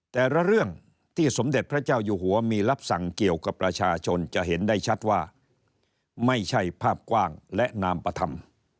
แต่ละเรื่องที่สมเด็จพระเจ้าอยู่หัวมีรับสั่งเกี่ยวกับประชาชนจะเห็นได้ชัดว่าไม่ใช่ภาพกว้างและนามปธรรม